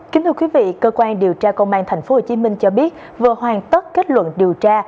kính thưa quý vị cơ quan điều tra công an tp hcm cho biết vừa hoàn tất kết luận điều tra